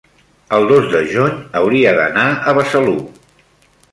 el dos de juny hauria d'anar a Besalú.